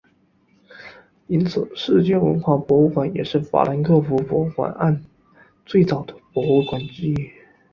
因此世界文化博物馆也是法兰克福博物馆岸最早的博物馆之一。